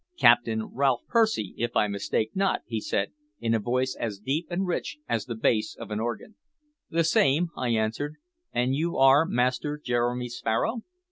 "Captain Ralph Percy, if I mistake not?" he said, in a voice as deep and rich as the bass of an organ. "The same," I answered. "And you are Master Jeremy Sparrow?"